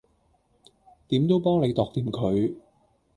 點都幫你度掂佢